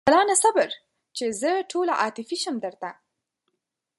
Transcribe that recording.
جلانه صبر! چې زه ټوله عاطفي شم درته